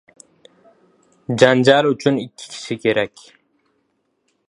• Janjal uchun ikki kishi kerak.